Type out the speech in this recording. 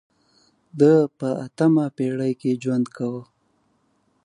ده په اتمې پېړۍ کې ژوند کاوه.